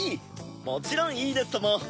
もちろんいいですとも。